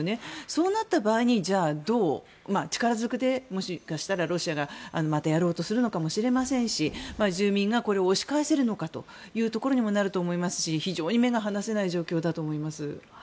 そうなった場合にじゃあ、どう力ずくで、もしかしたらロシアがまたやろうとするのかもしれませんし住民がこれを押し返せるのかというところにもなると思いますし非常に目が離せない状況だと思います。